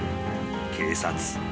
［警察。